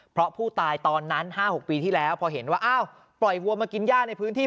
เพราะผู้ตายตอนนั้น๕๖ปีที่แล้วพอเห็นว่าอ้าวปล่อยวัวมากินย่าในพื้นที่